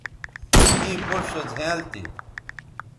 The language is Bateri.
می پوڇ سو زھیائنل تھی